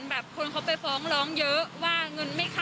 งานนี้คนเขาไปพ้องล้องเยอะว่าเงินไม่เข้า